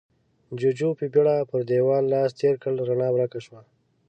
جُوجُو په بيړه پر دېوال لاس تېر کړ، رڼا ورکه شوه.